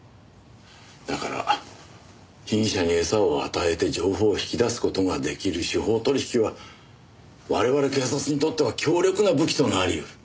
だから被疑者に餌を与えて情報を引き出す事が出来る司法取引は我々警察にとっては強力な武器となりうる。